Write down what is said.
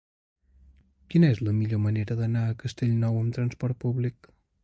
Quina és la millor manera d'anar a Castellnou amb transport públic?